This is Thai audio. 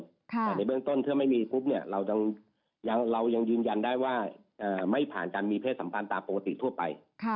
แต่ในเบื้องต้นถ้าไม่มีปุ๊บเนี่ยเรายังยืนยันได้ว่าไม่ผ่านการมีเพศสัมพันธ์ตามปกติทั่วไป